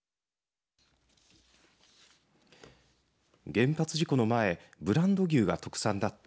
原発事故の前ブランド牛が特産だった